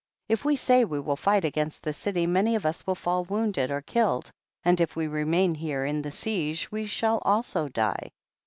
31. If we say we will fight against the city many of us will fall wound ed or killed, and if we remain here in the siege we shall also die.